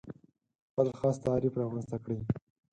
خپل خاص تعریف رامنځته کړي.